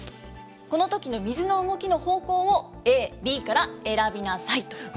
このときの水の動きの方向をＡ、Ｂから選びなさいと。